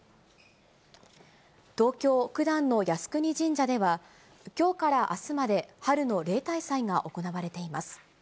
東京・九段の靖国神社では、きょうからあすまで、春の例大祭が行われています。